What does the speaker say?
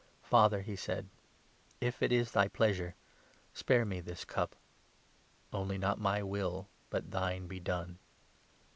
" Father," he said, " if it is thy pleasure, spare me this cup ; 42 only, not my will but thine be done."